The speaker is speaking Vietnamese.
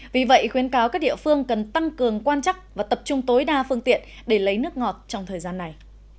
vì vậy khuyến cáo các địa phương cần tăng cường quan chắc và tập trung tối đa phương tiện để lấy nước ngọt trong thời gian này